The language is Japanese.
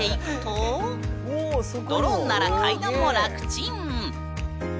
ドローンなら階段も楽チン！